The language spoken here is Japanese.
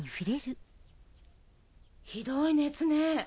ひどい熱ね。